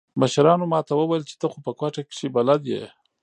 مشرانو ما ته وويل چې ته خو په کوټه کښې بلد يې.